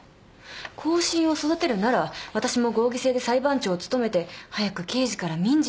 後進を育てるなら私も合議制で裁判長を務めて早く刑事から民事に。